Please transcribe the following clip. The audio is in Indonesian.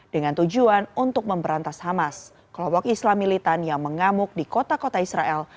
dengan tujuan untuk memberantas hamas kelompok islam militan yang mengamuk di kota kota israel